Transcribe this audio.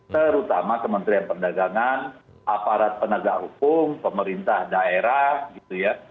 terutama kementerian perdagangan aparat penegak hukum pemerintah daerah gitu ya